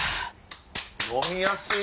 飲みやすい！